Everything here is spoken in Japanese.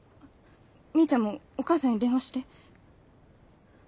みーちゃんもお母さんに電話して。